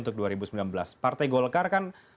untuk dua ribu sembilan belas partai golkar kan